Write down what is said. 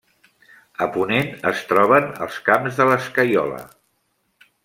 A ponent es troben els Camps de l'Escaiola.